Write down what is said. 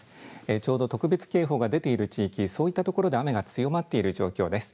ちょうど特別警報が出ている地域、そういったところで雨が強まっている状況です。